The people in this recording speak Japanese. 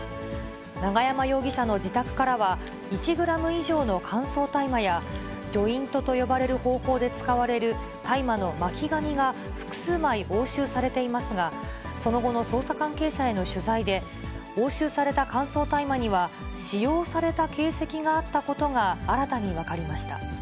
永山容疑者の自宅からは、１グラム以上の乾燥大麻や、ジョイントと呼ばれる方法で使われる、大麻の巻紙が複数枚押収されていますが、その後の捜査関係者への取材で、押収された乾燥大麻には、使用された形跡があったことが新たに分かりました。